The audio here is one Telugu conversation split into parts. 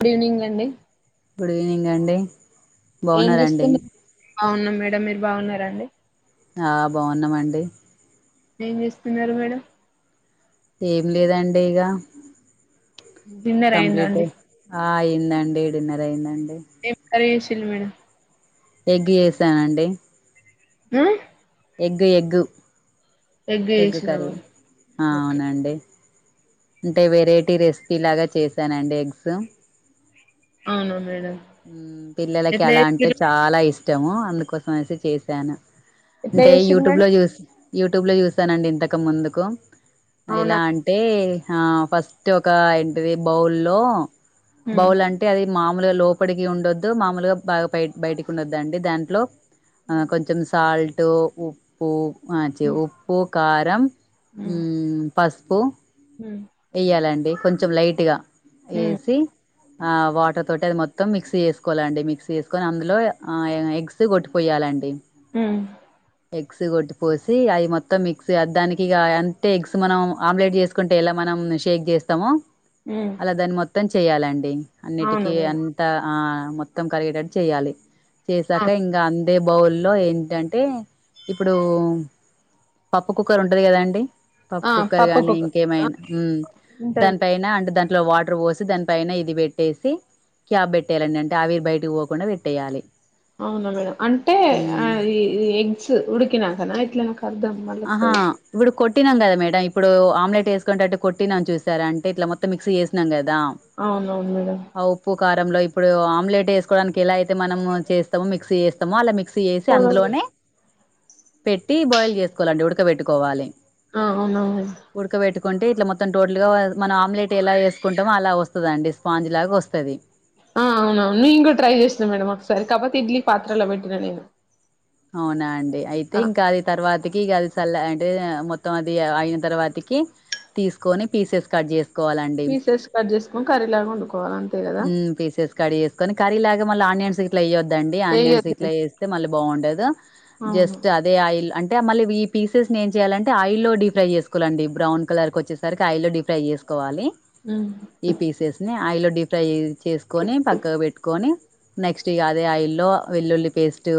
గుడ్ ఈవెనింగ్ అండి గుడ్ ఈవెనింగ్ అండి ఏం బాగున్నారండి చేూస్త బాగున్నాం మేడం మీరు బాగున్నారంండి ఆ బాగున్నామండి ఏం చేస్తున్నారు మేడం ఏం లేదండి ఇగ డిన్నర్ అయిందా కంప్లీట్ అండి ఆ అయిందండి డిన్నర్ అయిందండి ఏం కర్రీ చేసి [unintelligible] రు మేడం ఎగ్ చేసానండి హ egg egg egg egg curry చేసినావా అవునండి అంటే వెరైటీ రెసిపీ లాగ చేశానండి ఎగ్స్ అవున మేడం పిల్లలకి ఎట్లా అలా అంటే చేసిర్రు చాల ఇష్టము అందుకోసం అనేసి చేసాను ఎట్లా అంటే చేసిర్రు యూట్యూబ్ మేడం లో చూ యూట్యూబ్ లో చూస్తానండి ఇంతక ముందుకు అవునా ఇలా అంటే అంటే ఆ ఫస్ట్ ఒక ఏంటిది బౌల్ లో ఉమ్ బౌలు అంటే అది మామూలుగా లో అప్పటికి ఉండొద్దు మామలుగా బాగా బయ బయటికి ఉండొద్దండి దాంట్లో అ కొంచం సల్ట్ ఉ ఉప్పు ఉమ్ [unintelligible] ఉప్పు కారం పసుపు హు వేయ్యాలండి కొంచెం లైట్గా ఉమ్ వేసి ఆ వాటర్ తోటి అది మొత్తం మిక్సీ చేసుకోవాలండి మిక్సీ చేసుకొని అందులో [unintelligible] [unintelligible] కొట్టిపోయాలండి హు ఎగ్స్ కొట్టి పోసి అది మొత్తం మిక్స్య దానికి అంటే ఎగ్స్ మనం ఆమ్లెట్ చేసుకుంటే ఎల మనం షేక్ చేస్తమో ఉ అలా దాన్ని మొత్తం చెయ్యాలండి అన్నిటికీ మేడం అంత ఆ మొత్తం కలిగేటట్టు చెయ్యాలి ఆ చేసాక ఇంక అందే బౌల్లో ఏంటంటే ఇప్పుడు పప్పు కుక్కర్ ఉంటది కదాండి పప్పు ఆ కుక్కర్ గాని పప్పుకుక్క ఆ ఇంకేమైన ఉ ఉంటది దానిపైైన అంటే దాంట్లో వాటర్ పోసి దానిపైన ఇది పెట్టేసి క్యాబ్ పెట్టేయాలండి అంటే ఆవిరి బయటకి పోకుండా పెట్టేయాలి అవునా మేడం అంటే మ్మ్ ఈ ఎగ్స్ ఉడికినా కద ఇట్లా నాకు అర్థం మళ్ళీ ఆహా ఒకసారి ఇప్పుడు కొట్టినాం కదా మేడడం ఇప్పుడు ఆమ్లెట్ వేసుకునేట్టు కొట్టినాం చూసార అంటే ఇట్లా మొత్తం మిక్స్ చేసాం కదా అవునవును మేడం ఆ ఉప్పు కారంలో ఇప్పుడు ఆమ్లెట్ వేసుకోవడానికి ఎలా అయితే మనం చేస్తామో మిక్సీ చేస్ స్తామో అలా మిక్సీ చేసి మేడం అందులోనే పెట్టి బాయిల్ చేసుకోవాలండి ఉడకబెట్టుకోవాలి ఆ అవున ఉడకబెట్టుకుంటే ఇట్లా మొత్తం టోటల్ గా మనం ఆమ్లెట్ ఎలా వేసుకుంటామో అలా వస్తదండి స్పాంజ్ లాగా వస్తది ఆ అవునవును నేను కూడా ట్రై చేసాను మేడం ఒకసారి కాకపోతే ఇడ్లీ పాత్రలో పెట్టినా నేను అవునా అండి అయితే ఆ ఇంకా అది తర్వాతకి కలి తెల్ల అంటే మొత్తం అది అయిన తర్వాత కి తీసుకొని పీసెస్ కట్ చెస్ పీసెస్ కట్ చేసుకొని కర్రీలాగా వండుకోవాలంటే మ్మ్ పీసెస్ కడి చేసుకొని కర్రీ లాగా మళ్ళ ఆనియన్స్ ఇట్లాయ్యొద్దండి ఆనియన్స్ ఏయొద్దు ఇట్ల ఏస్తే మళ్ళీ బాగుండదు జస్ట్ అవును అట్లే అదే ఆయిల్ లో అంటే మళ్ళీ ఈ పీసెస్ నీ ఏం చేయాలంటే ఆయిల్లో డీ ఫ్రై చేసుకోలండి బ్రౌన్ కలర్ కు వచ్చే సరికి ఆయిల్లో డీప్ ఫ్రై చేసుకోవాలి మ్మ్ ఈ పీసెస్ ని ఆయిలో డీ ఫ్రై చేసుకొని పక్కకు పెట్టుకొని నెక్స్ట్ ఇగ అదే ఆయిల్లో వెల్లుల్లి పేస్ట్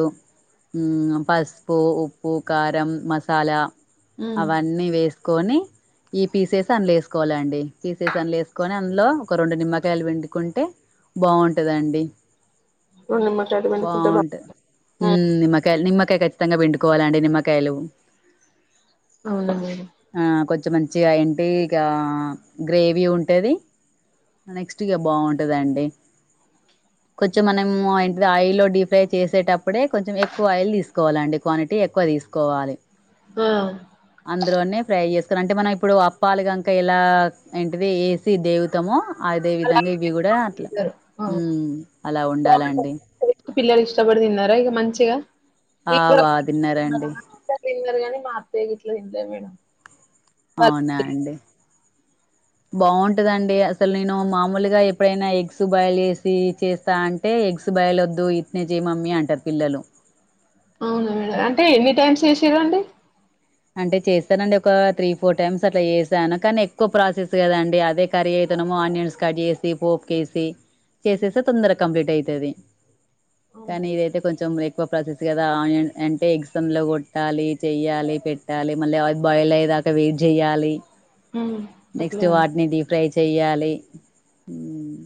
మ్మ్ పసుపు ఉప్పు కారం మసాలా ఉమ్ అవన్నీ వేస్ కోని ఈ పీసేస్ అందుల వేసుకోవాల అండి పీసేస్ అన్నలో వేసుకొని అందులో ఒక రెండు నిమ్మకాయలు పిండి కుంటే బాగుంటదండి రెండు నిమ్మకాయలు పిండుకుంటే బా బాగుంటది ఉమ్ మ్మ్ నిమ్మకాయలు నిమ్మకాయ ఖచ్చితంగా పిండుకోవాలండి నిమ్మకాయలు అవునండి ఆ కొంచెం మంచిగా ఏంటి ఆ ఇక గ్రేవీ ఉంటేది నెక్ట్ ఇగ బాగుంటుందండి కొంచెం మనము ఏంటిది ఆయిల్ లో డీప్ ఫ్రై చేసేటప్ ఇప్పుడే కొంచెం ఎక్కువ ఆయిల్ తీసుకోవాలండి క్వాంటిటీ ఎక్కువ తీసుకోవాలి ఆ అందులోనే ఫ్రై చేసురు అంటే మనం ఇప్పుడు అప్పాలు గంక ఇలా ఏంటిది తి దేవుతమో అదే విధంగా అలాగే ఇవి కూడా చేసుకొని అట్లా తింటారు ఆ మ్మ్ అలా బాగుంటది ఉండాలండి పిల్లలు ఇష్టపడి తిన్నారా ఇంగ మంచిగా ఆ పిల్లలు బా తిన్నారండి తిన్నారు కానీ మా అత్తయ్య గిట్ల తినలేదు మేడం అవునా వాళ్ళకి అండి బాగుంటదండి అసలు నేను మామూలుగా ఎప్పుడైనా ఎగ్స్ బాయిలు చేేసి చేస్తా అన్ టే ఎగ్స్ బాయిలొద్దు ఇట్నె చెయ్ మమ్మి అంటారు పిల్లలు అవునా మేడం అంటే ఎన్ని టైమ్స్ చేసిరు అండి అంటే చేస్తానండి ఒక త్రీ ఫోర్ టైమ్స్ అట్ల చేసాను కానీ ఎక్కువ ప్రాసెస్ కదండి అదే కర్రీ అయితనేమో ఆనియన్స్ కట్ చేసి పోప్కేసి చేసేస్తే తొందరగా కంప్లీట్ అయితది ఆ కానీ ఇదైతే కొంచెం ఎక్కువ ప్రాసెస్ కదా ఆనియన్ అంటే ఎగ్సం లో కొట్టాలి చెయ్యాలి పె పెట్టాలి మళ్ళీ అ బాయిల్ అయ్యేదాక వెయిట్ చేయాలి మ్మ్ నెక్స్ట్ వాటిని డీ ఫ్రై చెయ్యాలి మ్మ్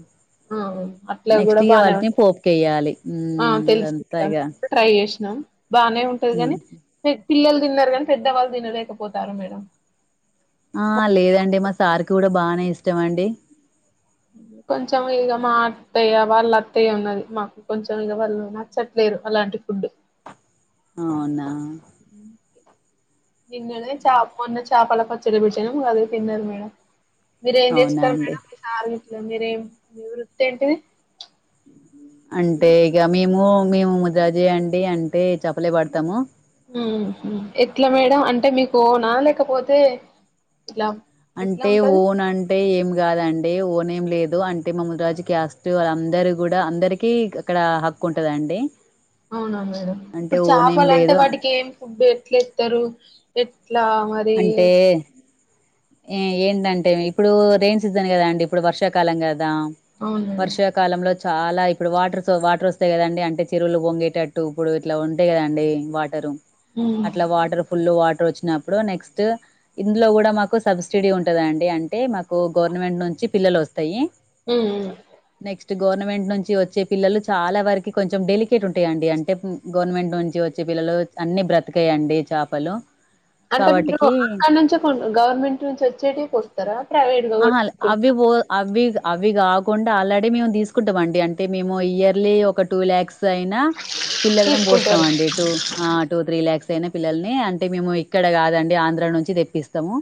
అట్ల కూడా బానే ఉంటాయి పోపుకేయాలి ఆ హ్మ్. తెలుసు అదంతా మేడమ్ ఇగ ట్రై చేసినాం బానే ఉంటది హ్మ్. కానీ పి పిల్లలు తిన్నారు కానీ పెద్దవాళ్ళు తినలేకపోతారు మేడం ఆ లేదండి మా సార్కి కూడా బానే ఇష్టం అండి కొంచెం ఇగ మా అత్తయ్య వాళ్ళత్తయ్య ఉన్నది మాకు కొంచెం ఇగ వళ్ళు చెట్లేదు అలాంటి ఫుడ్డు అవునా తిన్నలే చా మొన్న చేపల పచ్చడి పెట్టినం అదే తిన్నది మేడం మీరేం అవునా చేస్తారు అండి మేడం ఈ సార్ విట్లో మీరేం మీ వృత్తేంటి అంటే ఇగ మేము మేము ముజాజే అండి అంటే చెపలే పడతాము ఎట్ల మేడం అంటే మీకు ఓనా లేకపోతే ఇట్లా ఎట్లా అంటే ఉంటది? ఓన్ అంటే ఏం గాదండి ఓనేం లేదు అంటే మా ముని రాజు కాస్ట్ వాళ్ళందరు గూడా అందరికీ అక్కడ హక్కు ఉంటదండి అవునా మేడం అంటే ఇప్పుడు ఓన్ ఏం చాపలంటే లేదు వాటికేం ఫుడ్ ఎట్లేత్తరు ఎట్లా మరి అంటే ఏ ఏంటంటే ఇప్పుడు రైన్ సీజన్ గదా అండి ఇప్పుడు వర్షాకాలం గదా అవును మేడం వర్షా కాలంలో చాలా ఇప్పుడు వాటర్ వాటర్ వస్తయి గదండి అంటే చిరువులు పొంగేటట్టు ఇప్పుడు ఇట్లా ఉంటయి గదండి ఉమ్ అట్లా వాటర్ ఫుల్ వాటర్ వచ్చిప్పుడు నెస్ట్ ఇన్లో గూడా సబ్స్టిడీ ఉంటదండి అంటే మాకు గవర్నమెంట్ నుంచి పిల్లలు వస్తయి ఉ నెక్స్ట్ గవర్నమెంట్ నుంచి వచ్చే పిల్లలు చాలా వరకి కొంచెం డెలికేట్ ఉంటయండి అంటే గవర్నమెంట్ నుంచి వచ్చి పిల్లలు అన్ని బ్రతకయండి చాపలు అంటే మీరు అక్కడ నుంచే గవర్నమెంట్ నుంచి వచ్చేటివి కోస్తారా ప్రైవేట్గా ఆహా అవి పో అవి అవి గాకుండా ఆల్రెడీ మేము దీసుకుంటమండి అంటే మేము ఇయర్లీ ఒక టూ ల్యాక్స్ అయినా పిల్లలను బోస్తాం తీసుకుంటారు అండి ఇటు ఆ టూ త్రీ ల్యాక్స్ అయిన పిల్లల్ని అంటే మేము ఇక్కడ గాదండి ఆంధ్ర నుంచి దెప్పిస్తము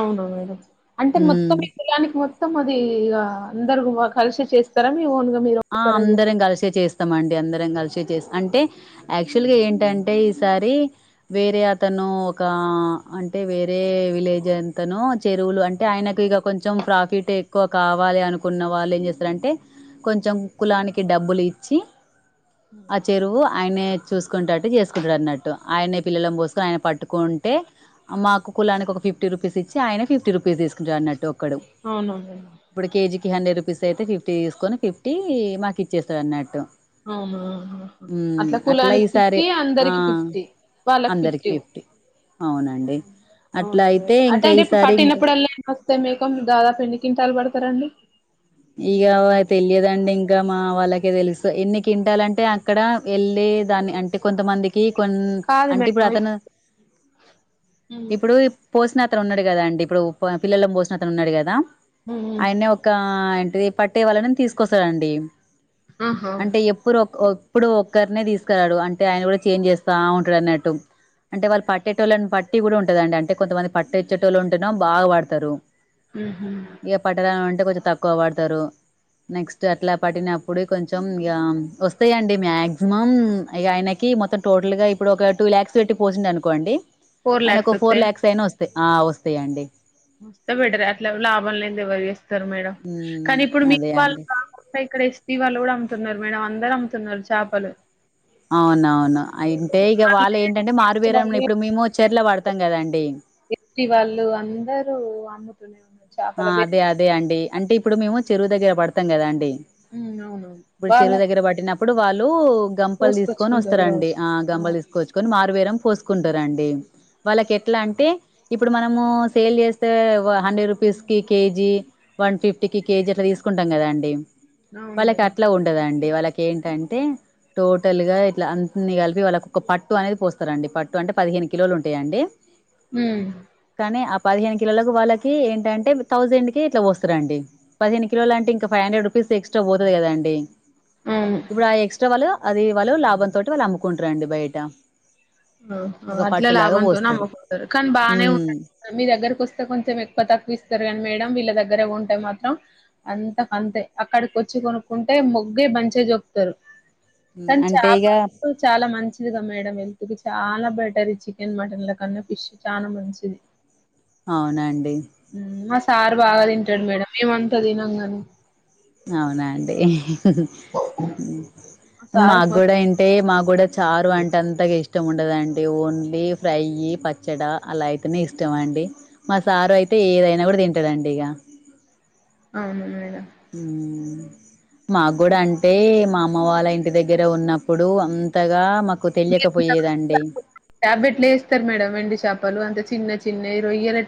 అవును మేడం అంటే మొత్తం మొత్తం అది అ అందరు కలిసి చేస్తారా మీ ఓన్ గా మీరు ఆ ఒక్కరే అందరం చేస్తారా గలిసే చేస్ మండి అందరం గలిషే చేస్ అంటే యాక్చువల్ గా ఏంటంటే ఈసారి వేరే అతను ఒకా అంటే వేరే విలేజ్ అంతను చెరువులు అంటే ఆయనకు ఇగ కొంచెం ఫ్రాఫిట్ ఎక్కువ కావాలి అనుకున్న వాళ్ళు ఏం జేస్తరంటే కొంచెం కులానికి డబ్బులు ఇచ్చి ఆ చెరువు ఆయనే చూసుకుంటట్టు చేసుకుంటడన్నట్టు ఆయనే పిల్లలం బోసుకొని ఆయన పట్టుకుంటే మాకు కులానికి ఒక ఫిఫ్టీ రుపీస్ ఇచ్చి ఆయన ఫిఫ్టీ రుపీస్ తీసుకుంటడన్నట్టు ఒక్కడు అవున ఇప్పుడు కేజీకి హండ్రెడ్ రుపీస్ అయితే ఫిఫ్టీ తీసుకొని ఫిఫ్టీ మాకిచ్చెస్త డన్నట్టు అవునా అట్ల కులానికి ఈసారి ఫిఫ్టీ ఆ అందరికి ఫిఫ్టీ వాళ్ళకి ఫిఫ్టీ అవునండి అవున అట్లా అయితే అట్టే ఇంకా అంటే ఇప్పుడు ఈసారి ఇంకా పట్టినప్పుడుల్లా వస్తే మీకో దాదాపు ఎన్ని కింటాలు పడతరండి ఇగ తెలియదండి ఇంకా మా వాళ్ళకే తెలుసు ఎన్ని కింటాలంటే అక్కడ వెళ్ళి దాన్ని అంటే కొంతమందికి కొన్ కాదు అంటే మేడం ఇప్ ఇప్పుడతను హ్మ్ ఇప్పుడు పోసిన అతను ఉన్నడు గదండి ఇప్పుడు పిల్లలం పోసిన అతను ఉన్నాడు గదా హ్మ్ హ్మ్. ఆయనే ఆ ఏంటిది పట్టే వాళ్ళనం తీసుకొస్తారండి ఆహా అంటే ఎప్పురొ ఇప్పుడు ఒక్కరినే తీసుకురాడు అంటే ఆయన కూడా చేంజ్ చేస్తా ఉంటడన్నట్టు అంటే వాళ్ళు పట్టేటోళ్ళలను పట్టి గూడా ఉంటదండి అంటే కొంతమంది పట్టెచ్చేటోళ్ళ ఉంటేనో బాగ వాడతారు ఊహు ఇక పట్టణామె అంటే కొంచెం తక్కువ పడతారు. నెక్స్ట్ అట్లా పట్టినప్పుడు కొంచెం ఇక వస్తాయిండి మాక్సిమం ఇక ఆయనకి మొత్తం టోటల్ గా ఇప్పుడు ఒక టూ లాక్స్ పెట్టి పోసిండు అనుకోండి. ఫోర్ ఆయనకు లాక్స్ ఒక ఫోర్ వత్తయా లాక్స్ అయినా వస్తాయి. ఆ వస్తాయండి. వస్తే బెటరే అట్లా లాభాలు లాభాలు లేందే ఎవరు చేస్తారు మేడం. ఉమ్ కానీ ఇప్పుడు మీకు అదే వాళ్ళ అండి ఇక్కడ యాస్ పి వాళ్ళు కూడా అమ్ముతున్నారు మేడం. అందరూ అమ్ముతున్నారు చేపలు. అవునవును అంటే ఇక వాళ్ళే వాళ్ళ ఏంటంటే మారు కాస్ట్ బేరం లో వాళ్ళు ఇప్పుడు మేము చెర్లో పడతాం కదాండీ. మిత్తి వాళ్ళు అందరూ అమ్ముతూనే ఉన్నారు. ఆ చేపల బే అదే అదే అండి అంటే ఇప్పుడు మేము చెరువు దగ్గర పడతాం కదా అండి. హ్మ్ అవునవును ఇప్పుడు వాళ్ళ చెరుదగ్గర పట్టినప్ ప్పుడు వాళ్ళు గంపలు తీసుకొని కోసుకొచ్చుకుంటారు వస్తారండి. కావచ్చు ఆ గంపలు అవును తీసుకోవచ్చు కని మారుబేరం పోసుకుంటారండి. వాళ్ళకి ఎట్లా అంటే ఇప్పుడు మనము సేల్ చేసే hundred rupees. KG one fifty కి కేజి అలా తీసుకుంటాం కదాండి. అవును వాళ్ళ కు మేడం అట్లా ఉన్ కదండీ వాళ్ళకి ఏంటంటే? టోటల్ గా ఇట్లా అన్నీ కలిపి వాళ్ళకి ఒక పట్టు అనేది పోస్తారండి పట్టు అంటే పదిహేను కిలోలు ఉంటాయండి. మ్ కానీ ఆ పదిహేను కిలోలకు వాళ్ళకి ఏంటంటే? థౌజండ్ కి ఇట్లా పోస్తారండి పదిహేను కిలోల అంటే ఇంకా ఫైవ్ హండ్రెడ్ రూపీస్ ఎక్స్్రా పోతాది కదా అండి. అవును ఇప్పుడు ఆ ఎక్స్ట్రా వాళ్ళు అది వాళ్ళు లాభం తోటి వాళ్ళు అమ్ముకుంటారు అండి బయట. ఆ ఒక అట్లా పట్టులాగా లాభంతోనే పోస్తారు అమ్ముకుంటారు. కానీ బాగానే ఉమ్ ఉంటా మీ దగ్గరకు వస్తే కొంచెం ఎక్కువ తక్కువ ఇస్తారు కానీ మేడం వీళ్ళ దగ్గరే కొంటే మాత్రం అంత అంతే అక్కడికి వచ్చి కొనుక్కుంటే మొగ్గే మంచగా చెప్పుతారు. ఉమ్ కానీ అంటే చాప ఇగ చాలా మంచిదిగా మేడం ఇది చాలా బెటర్ ఈ చికెన్ మటన్ ల కన్నా ఫిష్ చాలా మంచిది. అవునండి మా సార్ బాగా తింటాడు మేడం. మేమంత తినంగాని అవునా అండి హ్ హి హ్ మా హ్ సారుకు మాకు కూడా మస్త్ ఏంటి అంటే మాకు కూడా చారు అంటే అంతగా ఇష్టం ఉండదండి. ఓన్లీ ఫ్రై, పచ్చడి పచ్చడా అలా అయితేనే ఇష్టం అండి. మా సారు అయితే ఏదైనా కూడా తింటాడండి ఇక అవును మేడం ఆ మా కూడా అంటే మా అమ్మ వాళ్ళ ఇంటి దగ్గర ఉన్నప్పుడు అంతగా మా నాకు తెలియకపోయేదండి. చాపలు ఎట్లా వేస్తారు మేడం ఎండు చేపలు అంత చిన్న చిన్నవి రొయ్యలు.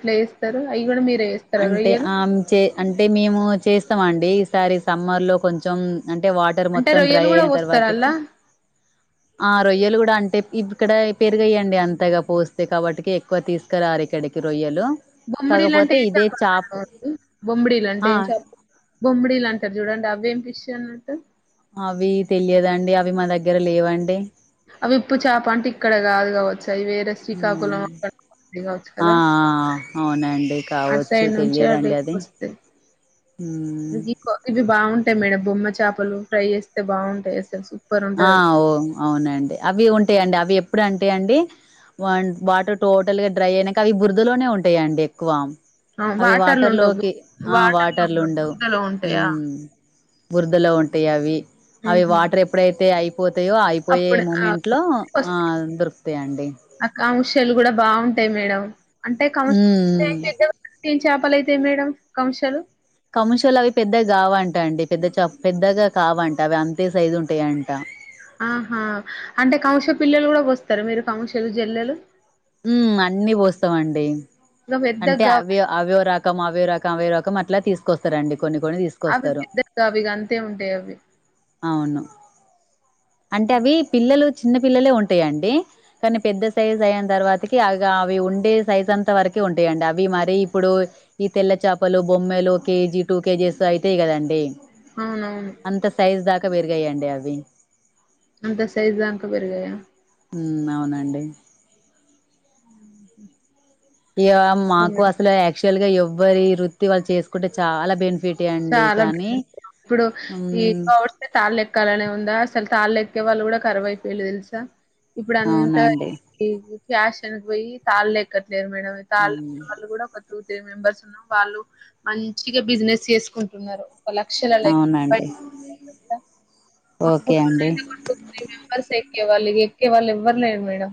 అవి కూడా మీరే చేస్తారా? అంటే ఆంచే అంటే మేము చేస్తామండి ఈసారి సమ్మర్ లో కొంచెం అంటే వా అంటే రొయ్యలు కూడా పోస్తార అలా? ఆ రొయ్యలు గూడా అంటే ఇక్కడ పెరగవండి అంతగా పోస్తే కాబట్టి ఎక్కువ తీసుకురారు ఇక్కడికి రొయ్యలు. బొమ్మిడిలంటే కాకపోతే ఏం ఇదే చాప్ చాపలండి బొమ్మిడిలు అంటే ఆ ఏం చాపలు? బొమ్బడీలు అంటారు చూడండి అవి ఏం ఫిష్ అన్నట్టు అవి తెలియదండి. అవి మా దగ్గర లేవండి. అవి ఉప్పు చాప అంటే ఇక్కడ గాదు కావచ్చు. అవి వేరే శ్రీకాకుళం అక్కడ అది కావచ్చు ఆ కదా? ఆ అవునండి అటు కావచ్చు సైడ్ నుంచి అటెక్కోస్తాయ్. మ్ ఇవి కో ఇవి బాగుంటాయి మేడం బొమ్మ చాపలు ఫ్రై చేస్తే బాగుంటాయి అస్సల్ సుప్ ఆ ఓ అవునండి అవి ఉంటాయండి అవి ఎప్పుడు అంటే అండి వన్ వాటర్ టోటల్ గా డ్రై అయినంక అవి బురదలోనే ఉంటాయండి ఎక్కువ ఆ అవి వాటర్లు ఉండవు వాటర్లోకి ఆ వాటర్లు ఉండవు ఉమ్ బురదలో ఉంటాయి అవి అవి ఉహు వాటర్ ఎప్పుడైతే అయి పోతాయో అయిపోయే అప్పుడు ఆ మూమెంట్ లో ఆ వస్తాయి. దొరుకుతాయండి ఆ కౌంషలు గూడా బాగుంటాయి మేడం అంటే కౌ [unintelligible] ఏం చేపలైతాయి మేడం కౌంశలు కముషల్ అవి పెద్దగా కావంట అండి పెద్ద చ పెద్దగా కావంట అవి అంతే సైజ్ ఉంటాయింట ఆహా అంటే కౌంశ పిల్లలు గూడ బొస్తర మీరు కౌంశలు జేల్లెలు ఉమ్ అన్ని వోస్తామండి ఇక అంటే పెద్దగా అవి అవ్యో రకం అవ్యో రకం అవేరకం అట్ల తీసుకొస్తారండి కొన్ని కొన్ని తీసు అవి పెద్దగావిగా అంతే ఉంటాయ్ అవి అవును అంటే అవి పిల్లలు చిన్న పిల్లలే ఉంటాయండి కానీ పెద్ద సైజ్ అయ తర్వాతికి అగా అవి ఉండే సైజ్ అంత వరకే ఉంటాయండి అవి మరి ఇప్పుడు ఈ తెల్ల చాపలు బొమ్మలు కేజీ టూ కేజీస్ అయితేయి గదండి అవునవును అంత సైజ్ దాకా పెరిగయండి అవి అంత సైజ్ దంకా పెరగయా ఉమ్ అవునండి ఇగ మాకు ఓకే. అసలె యాక్చువల్ గా ఎవ్వరి వృత్తి వాళ్ళు చేసుకుంటే చాలా బెనిఫిట్ చాలా బెన్ [inaudible] ఇప్పుడు ఈ ఉమ్ ఓట్స్ తాళ్ళ ఎక్కాలనే ఉందా అసలు తాళ్ళేఎక్కే వాళ్ళు గూడా కరువైపోయిల్లు తెలుసా! ఇప్పుడు అంతా అవునండి ఈ ఫ్యాషన్కు పోయి తాళ్లే ఎక్కట్లేదు మేడం ఉమ్ తల్లెక్కెవాళ్ళు గూడా ఒక టూ త్రీ మెంబర్స్ ఉన్నారు వాళ్ళు మంచిగా బిజినెస్ చేసుకుంటున్నారు. ఒక లక్షల అవునండి ఓకే అండి త్రీ మెంబర్స్ ఎక్కేవాల్లు ఇగ ఎక్కే వాల్లు ఎవ్వరులేరు మేడం